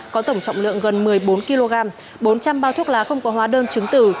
có tổng trọng lượng gần một mươi bốn kg bốn trăm linh bao thuốc lá không có hóa đơn chứng tử